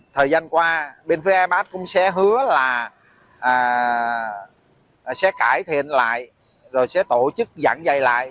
thời gian qua bên phía abax cũng sẽ hứa là sẽ cải thiện lại rồi sẽ tổ chức dặn dày lại